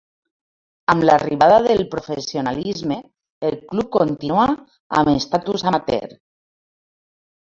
Amb l'arribada del professionalisme, el club continuà amb estatus amateur.